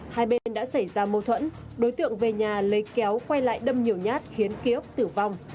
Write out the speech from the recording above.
hai bên đã xảy ra mâu thuẫn đối tượng về nhà lấy kéo quay lại đâm nhiều nhát khiến kiosk tử vong